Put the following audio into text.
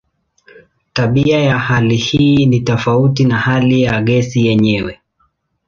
Tabia ya hali hii ni tofauti na hali ya gesi yenyewe.